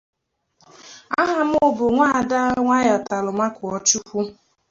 N'ịbụ onye tolitere na steeti Kaduna, Whitemoney hapụrụ gawa Lagos ịchọ ọrụ.